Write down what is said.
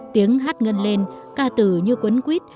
tiếng hát ngân lên ca từ như quấn quýt